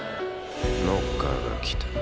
ノッカーが来た。